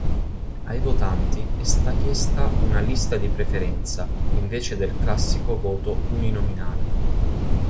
Ai votanti è stata chiesta una "lista di preferenza", invece del classico voto uninominale.